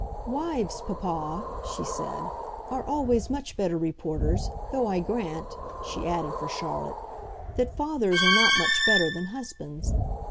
"Wives, papa," she said; "are always much better reporters though I grant," she added for Charlotte, "that fathers are not much better than husbands.